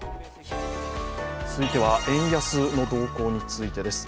続いては、円安の動向についてです。